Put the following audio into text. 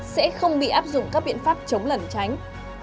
sẽ không bị áp dụng các biện pháp chống lẩn tránh